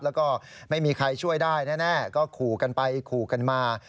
แล้วก็ไม่มีใครช่วยได้แน่ก็ขู่กันไปขู่กันมา